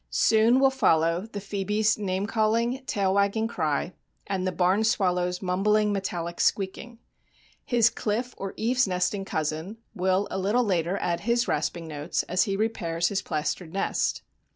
Soon will follow the phœbe's name calling, tail wagging cry and the barn swallow's mumbling, metallic squeaking. His cliff or eaves nesting cousin will a little later add his rasping notes as he repairs his plastered nest.